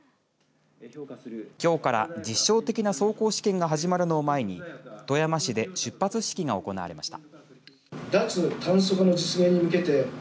きょうから実証的な走行試験が始まるのを前に富山市で出発式が行われました。